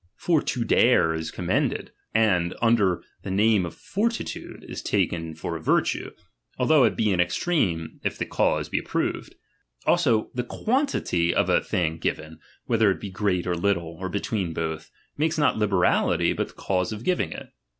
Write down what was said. For to dare is commended, and, under the name of fortilude is taken for a virtue, although it be an extreme," if the cause be approved. Also the quan &y of a thing given, whether it be great or little, or between both, makes not liberality, but the cause of giving it.